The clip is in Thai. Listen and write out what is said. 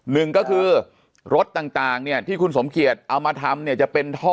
หนึ่งก็คือรถต่างเนี่ยที่คุณสมเกียจเอามาทำเนี่ยจะเป็นท่อ